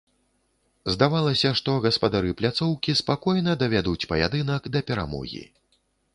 Здавалася, што гаспадары пляцоўкі спакойна давядуць паядынак да перамогі.